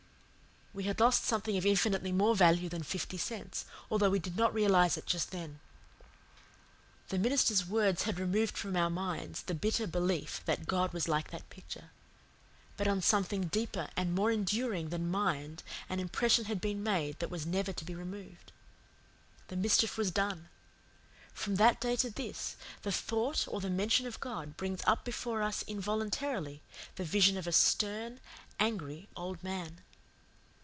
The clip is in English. We had lost something of infinitely more value than fifty cents, although we did not realize it just then. The minister's words had removed from our minds the bitter belief that God was like that picture; but on something deeper and more enduring than mind an impression had been made that was never to be removed. The mischief was done. From that day to this the thought or the mention of God brings up before us involuntarily the vision of a stern, angry, old man.